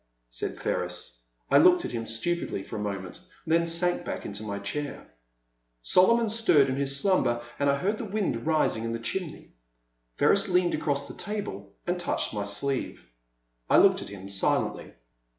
'' said Ferris. I looked at him stupidly for a moment, then sank back into my chair. Solomon stirred in his slumber and I heard the wind rising in the chimney. Ferris leaned across the table and touched my sleeve. I looked at him silently.